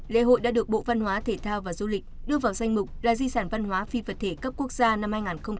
lễ hội đã được bộ văn hóa thể thao và du lịch đưa vào danh mục là di sản văn hóa phi vật thể cấp quốc gia năm hai nghìn một mươi chín